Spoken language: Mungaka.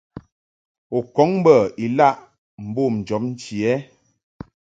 U kɔŋ bə ilaʼ mbom jɔbnchi ɛ ?